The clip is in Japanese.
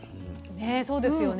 そうですよね。